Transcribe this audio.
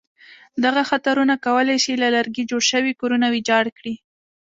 دغه خطرونه کولای شي له لرګي جوړ شوي کورونه ویجاړ کړي.